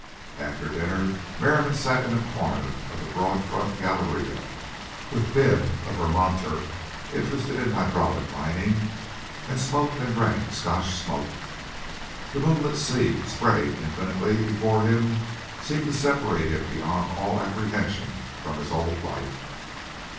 After dinner Merriam sat in a corner of the broad front galeria with Bibb, a Vermonter interested in hydraulic mining, and smoked and drank Scotch "smoke." The moonlit sea, spreading infinitely before him, seemed to separate him beyond all apprehension from his old life.